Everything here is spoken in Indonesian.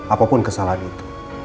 apapun kesalahan itu